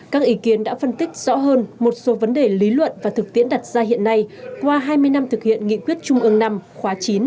các ý kiến đã phân tích rõ hơn một số vấn đề lý luận và thực tiễn đặt ra hiện nay qua hai mươi năm thực hiện nghị quyết trung ương năm khóa chín